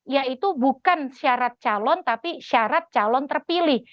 yaitu bukan syarat calon tapi syarat calon terpilih